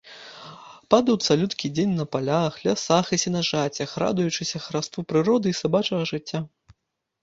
Падаў цалюткі дзень на палях, лясах і сенажацях, радуючыся хараству прыроды і сабачага жыцця.